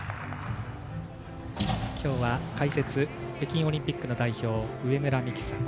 きょうは、解説北京オリンピックの代表上村美揮さん。